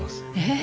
え！